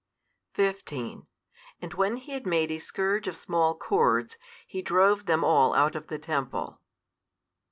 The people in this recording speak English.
15 And when He had made a scourge of small cords, He drove them all out of the temple.